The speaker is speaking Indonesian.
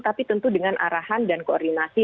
tapi tentu dengan arahan dan koordinasi